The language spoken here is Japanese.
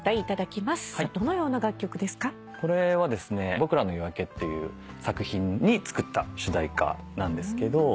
『ぼくらのよあけ』っていう作品に作った主題歌なんですけど。